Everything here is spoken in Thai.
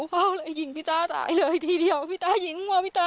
พ่อเลยยิงพี่ตาตายเลยทีเดียวพี่ตายิงว่ะพี่ตา